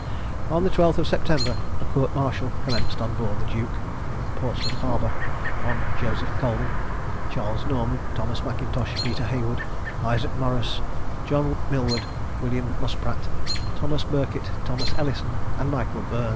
On the 12th of September a court martial commenced on board the Duke, in Portsmouth harbour, on Joseph Coleman, Charles Norman, Thomas Mackintosh, Peter Heywood, Isaac Morris, John Millward, William Muspratt, Thomas Birkett, Thomas Ellison, and Michael Burn.